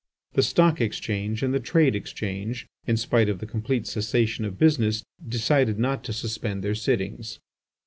The Stock Exchange and the Trade Exchange, in spite of the complete cessation of business, decided not to suspend their sittings.